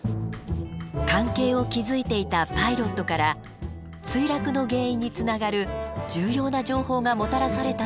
関係を築いていたパイロットから墜落の原因につながる重要な情報がもたらされたというのです。